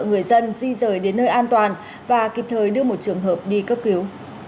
người dân di rời đến nơi an toàn và kịp thời đưa một trường hợp đi cấp cứu